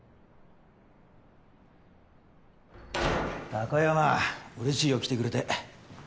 貴山うれしいよ来てくれて。